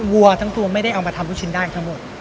วัวทั้งตัวไม่ได้เอามาทำลูกชิ้นได้ทั้งหมด